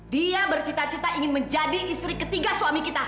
dia bercita cita ingin menjadi istri ketiga suami kita